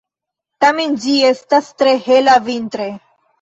Tamen ĝi estas tre hela vintre.